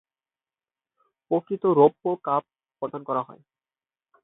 প্রকৃত রৌপ্য কাপ প্রদান করা হয়।